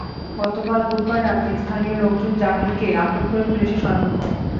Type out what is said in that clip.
গতকাল বুধবার রাতে স্থানীয় লোকজন জাকিরকে আটক করে পুলিশে সোপর্দ করেছেন।